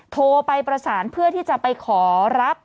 โทรไปประสานเพื่อที่จะไปขอรับ